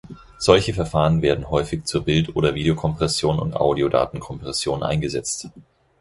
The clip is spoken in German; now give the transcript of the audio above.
Solche Verfahren werden häufig zur Bild- oder Videokompression und Audiodatenkompression eingesetzt.